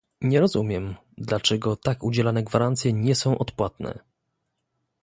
Nie rozumiem, dlaczego tak udzielane gwarancje nie są odpłatne